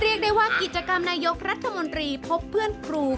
เรียกได้ว่ากิจกรรมนายกรัฐมนตรีพบเพื่อนครู